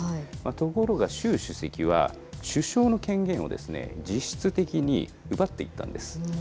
ところが習主席は、首相の権限を実質的に奪っていったんです。